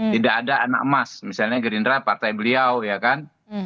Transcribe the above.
tidak ada anak emas misalnya gerindra partai beliau ya kan